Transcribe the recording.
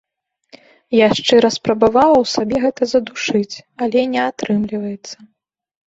Я шчыра спрабавала ў сабе гэта задушыць, але не атрымліваецца.